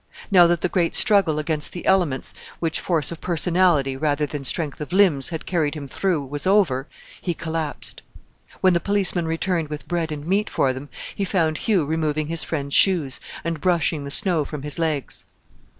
Now that the great struggle against the elements, which force of personality rather than strength of limbs had carried him through, was over, he collapsed. When the policeman returned with bread and meat for them, he found Hugh removing his friend's shoes, and brushing the snow from his legs.